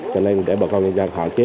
cho nên để bà con nhân dân hạn chế